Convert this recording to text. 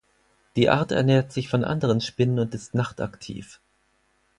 Die Art ernährt sich von anderen Spinnen und ist nachtaktiv.